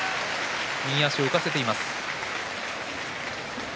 右足を浮かせています。